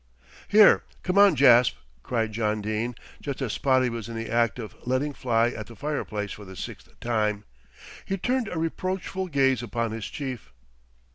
"Here, come on, Jasp.," cried John Dene, just as Spotty was in the act of letting fly at the fireplace for the sixth time. He turned a reproachful gaze upon his chief.